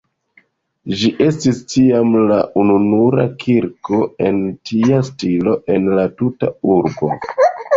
Ĝi estis tiam la ununura kirko en tia stilo en la tuta urbo.